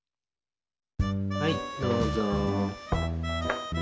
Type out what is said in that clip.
はいどうぞ。